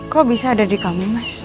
kok bisa ada di kamu mas